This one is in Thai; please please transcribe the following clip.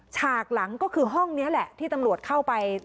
ฉากหลังก็คือห้องนี้แหละที่ตำรวจเข้าไป